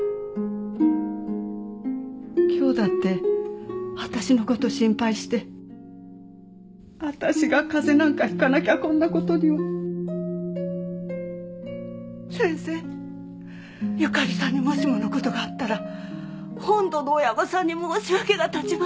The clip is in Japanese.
今日だってわたしのこと心配してわたしが風邪なんかひかなきゃこんなことには。先生！ゆかりさんにもしものことがあったら本土の親御さんに申し訳が立ちません。